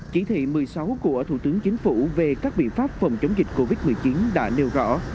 chỉ thị một mươi sáu của thủ tướng chính phủ về các biện pháp phòng chống dịch covid một mươi chín đã nêu rõ